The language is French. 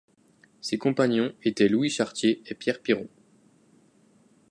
Ses compagnons étaient Louis Chartier et Pierre Piron.